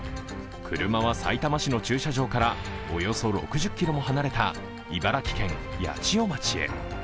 車はさいたま市の駐車場からおよそ６０ｋｍも離れた茨城県八千代町へ。